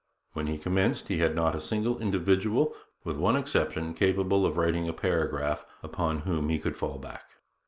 When he commenced, he had not 'a single individual, with one exception, capable of writing a paragraph, upon whom he could fall back.'